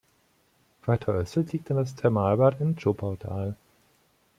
Weiter östlich liegt dann das Thermalbad im Zschopautal.